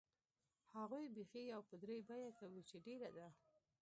هغوی بیخي یو په درې بیه کوي چې ډېره ده.